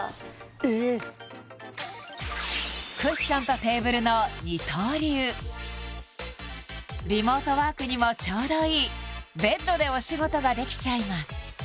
ええっクッションとテーブルの二刀流リモートワークにもちょうどいいベッドでお仕事ができちゃいます